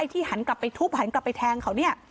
ที่หันกลับไปทุบหันกลับไปแทงเขาเนี่ย